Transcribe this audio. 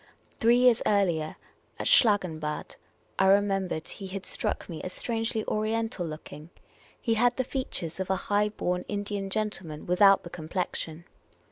Three years earlier, at Schlangenbad, I remem bered, he had struck me as strangely Oriental looking : he had the features of a high born Indian gentleman, without the complexion.